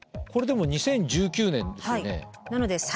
これでも２０１９年ですよね？